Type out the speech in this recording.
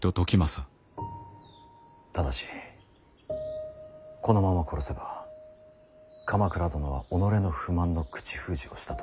ただしこのまま殺せば鎌倉殿は己の不満の口封じをしたとうわさが立ちます。